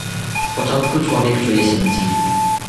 "Z początku człowiek czuje się dziwnie."